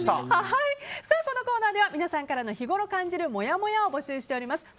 このコーナーでは皆さんからの日ごろ感じるもやもやを募集しております。